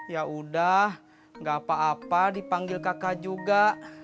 ya udah gak apa apa dipanggil kakak juga